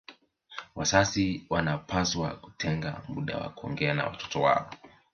Wazazi wanawapasa kutenga muda wa kuongea na watoto wao